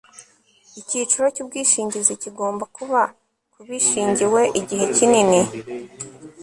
icyiciro cy ubwishingizi kigomba kuba kubishingiwe igihe kinini